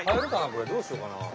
これどうしようかな？